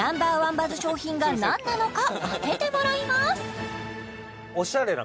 バズ商品が何なのか当ててもらいます！